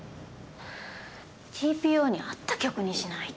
ＴＰＯに合った曲にしないと。